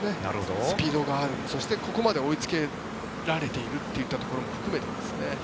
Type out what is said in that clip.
スピードがあるそしてここまで追いつけられているといったところも含めて。